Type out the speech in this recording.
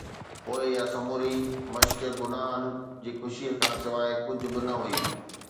پوءِ اها سموري مشق گناهه جي خوشي کان سواءِ ڪجهه به نه هئي.